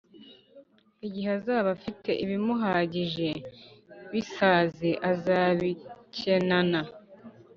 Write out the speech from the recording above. igihe azaba afite ibimuhagije bisāze azabikenana